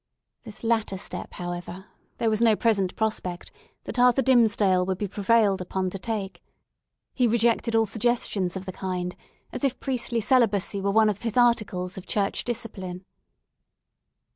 This latter step, however, there was no present prospect that Arthur Dimmesdale would be prevailed upon to take; he rejected all suggestions of the kind, as if priestly celibacy were one of his articles of Church discipline.